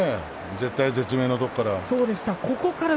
絶体絶命のところから。